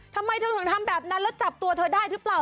ทำไมเธอถึงทำแบบนั้นแล้วจับตัวเธอได้หรือเปล่า